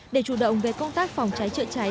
để chủ động về công tác phòng cháy chữa cháy